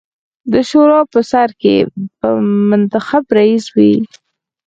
د شورا په سر کې به منتخب رییس وي.